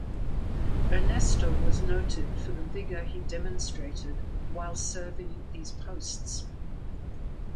Ernesto was noted for the vigour he demonstrated while serving these posts.